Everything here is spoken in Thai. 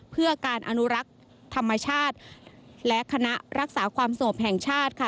เพื่อการอนุรักษ์ธรรมชาติและคณะรักษาความสงบแห่งชาติค่ะ